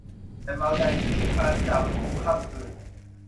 แต่เมาใจ นี้ประจำ ทุกค่ำคืน